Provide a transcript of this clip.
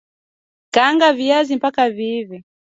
kaanga viazi mpaka viive